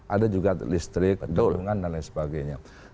ada juga listrik gabungan dan lain sebagainya